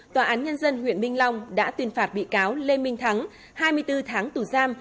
tòa án nhân dân huyện minh long đã tuyên phạt bị cáo lê minh thắng hai mươi bốn tháng tù giam